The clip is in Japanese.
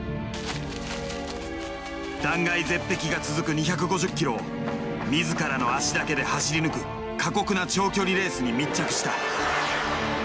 断崖絶壁が続く２５０ｋｍを自らの足だけで走り抜く過酷な長距離レースに密着した。